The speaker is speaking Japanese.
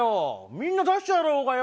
みんな出してるだろうがよ。